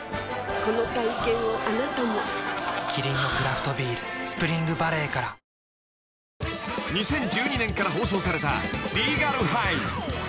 この体験をあなたもキリンのクラフトビール「スプリングバレー」から［２０１２年から放送された『リーガル・ハイ』］